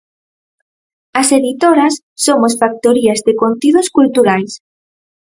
As editoras somos factorías de contidos culturais.